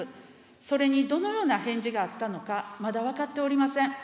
それにどのような返事があったのか、まだ分かっておりません。